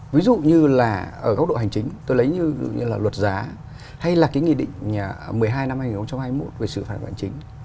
ví dụ như là ở góc độ hành chính tôi lấy như là luật giá hay là cái nghị định một mươi hai năm hai nghìn hai mươi một về xử phạt hành chính